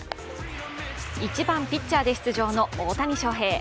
１番・ピッチャーで出場の大谷翔平。